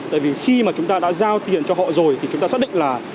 tại vì khi mà chúng ta đã giao tiền cho họ rồi thì chúng ta xác định là